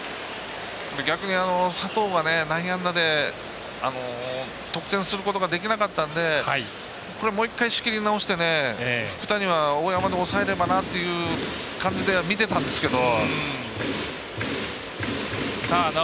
逆に、佐藤は内野安打で得点することができなかったんでこれもう一回仕切り直して福谷は大山で抑えねばなって感じで見てたんですけど。